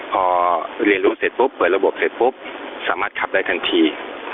พอเรียนรู้เสร็จปุ๊บเปิดระบบเสร็จปุ๊บสามารถขับได้ทันที